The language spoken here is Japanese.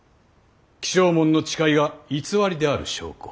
起請文の誓いが偽りである証拠。